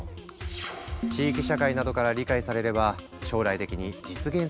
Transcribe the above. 地域社会などから理解されれば将来的に実現する可能性があるんだって。